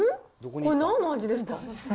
これなんの味ですか？